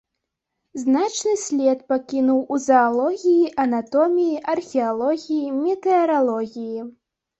Значны след пакінуў у заалогіі, анатоміі, археалогіі, метэаралогіі.